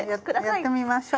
やってみましょう。